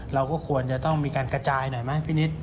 เราก็ควรจะต้องมีการกระจายหน่อยไหมพี่นิด